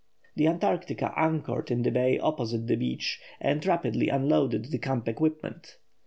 The Antarctica anchored in the bay opposite the beach and rapidly unloaded the camp equipment.